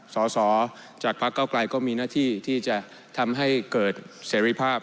สอสอจากพักเก้าไกลก็มีหน้าที่ที่จะทำให้เกิดเสรีภาพ